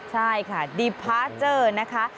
ใช่ค่ะดีพาร์เจอร์นะคะ